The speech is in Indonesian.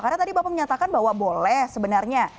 karena tadi bapak menyatakan bahwa boleh sebenarnya